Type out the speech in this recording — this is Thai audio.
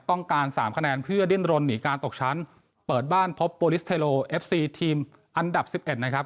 ต้องการสามคะแนนเพื่อดิ้นรนหนีการตกชั้นเปิดบ้านพบโปรลิสเทโลเอฟซีทีมอันดับ๑๑นะครับ